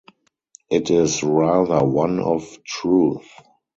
It is rather one of "truth".